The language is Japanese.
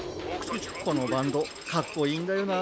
このバンドかっこいいんだよな。